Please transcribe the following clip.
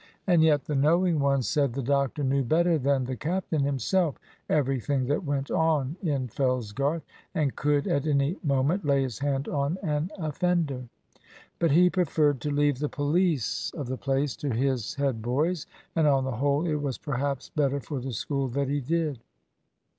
And yet the knowing ones said the doctor knew better than the captain himself everything that went on in Fellsgarth, and could at any moment lay his hand on an offender. But he preferred to leave the police of the place to his head boys; and on the whole it was perhaps better for the School that he did.